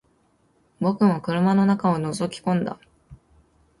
僕も車の中を覗き込んだ